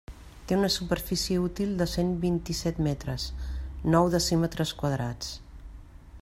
Té una superfície útil de cent vint-i-set metres, nou decímetres quadrats.